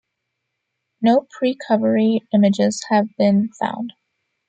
No precovery images have been found.